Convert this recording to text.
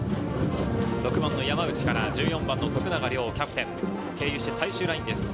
６番の山内から１４番の徳永涼、キャプテン、経由して最終ラインです。